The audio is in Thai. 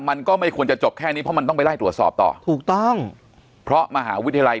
มันก็ไม่ควรจะจบแค่นี้เพราะมันต้องไปไล่ตรวจสอบต่อถูกต้องเพราะมหาวิทยาลัย